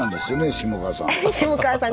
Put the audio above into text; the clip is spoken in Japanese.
下川さん